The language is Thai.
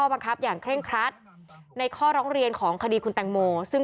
บังคับอย่างเคร่งครัดในข้อร้องเรียนของคดีคุณแตงโมซึ่ง